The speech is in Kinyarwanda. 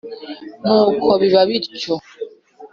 Nuko biba bityo